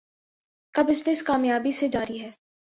کا بزنس کامیابی سے جاری ہے